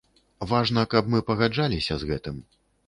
Важна, каб мы пагаджаліся з гэтым.